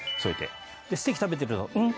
ステーキ食べてるとうん？